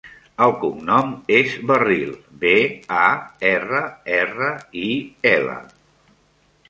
El cognom és Barril: be, a, erra, erra, i, ela.